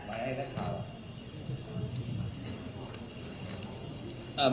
ไม่ท่านครับ